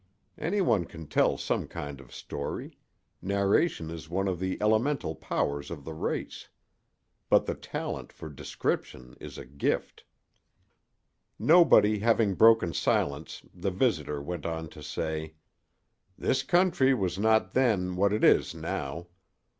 Anyone can tell some kind of story; narration is one of the elemental powers of the race. But the talent for description is a gift. Nobody having broken silence the visitor went on to say: "This country was not then what it is now.